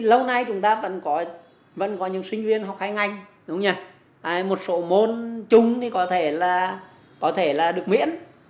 lâu nay chúng ta vẫn có những sinh viên học khai ngành một số môn chung có thể là được miễn